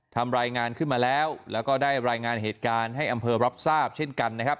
ทำรายงานขึ้นมาแล้วแล้วก็ได้รายงานเหตุการณ์ให้อำเภอรับทราบเช่นกันนะครับ